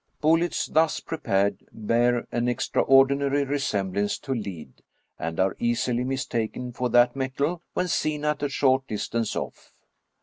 Bullets thus prepared bear an extraordinary resemblance to lead, and are easily mistaken for that metal when seen at a short distance off.